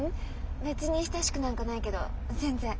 別に親しくなんかないけど全然。